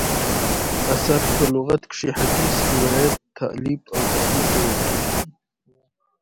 اثر: په لغت کښي حدیث، روایت، تالیف او تصنیف ته ویل کیږي.